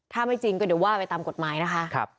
ถ้าไม่จริงก็เดี๋ยวว่าไปตามกฎหมายนะคะ